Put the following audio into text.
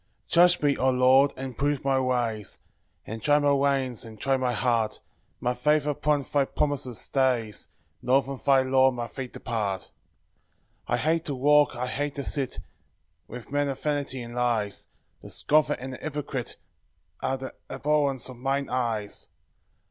1 Judge me, O Lord, and prove my ways, And try my reins, and try my heart; My faith upon thy promise stays, Nor from thy law my feet depart. 2 I hate to walk, I hate to sit, With men of vanity and lies; The scoffer and the hypocrite Are the abhorrence of mine eyes.